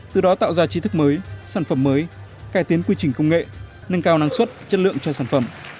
từ đó tạo ra trí thức mới sản phẩm mới cải tiến quy trình công nghệ nâng cao năng suất chất lượng cho sản phẩm